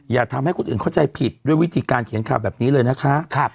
อย่าทำให้คนอื่นเข้าใจผิดด้วยวิธีการเขียนข่าวแบบนี้เลยนะคะ